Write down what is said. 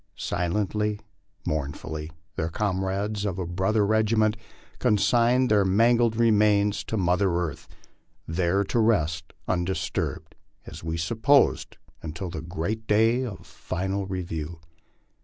Silently, mournfully, their comrades of a brother regiment con signed their mangled remains to motner earth, there to rest undisturbed, as we supposed, until the great day of final review.